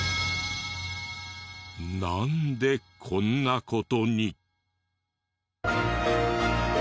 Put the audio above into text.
なんでこんな事に。